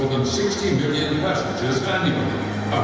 memiliki lebih dari enam puluh juta pasang sehari hari